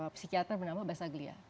psikiater bernama basaglia